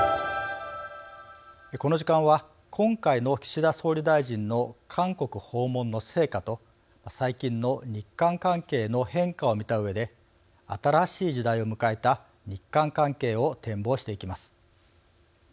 この時間は今回の岸田総理大臣の韓国訪問の成果と最近の日韓関係の変化を見たうえで新しい時代を迎えた日韓関係を展望していきます。